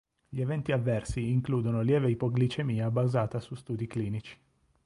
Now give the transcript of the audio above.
Gli eventi avversi includono lieve ipoglicemia basata su studi clinici.